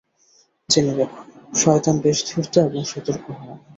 জেনে রাখো, শয়তান বেশ ধূর্ত এবং সতর্ক হয়।